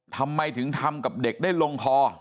ทำไมถึงทำกับเด็กได้ลงคอ